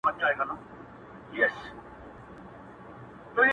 • حقيقت ورو ورو د اوازو لاندي پټيږي او ورکيږي,